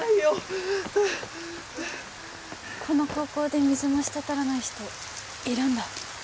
この高校で水も滴らない人いるんだ。